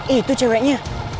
eh itu ceweknya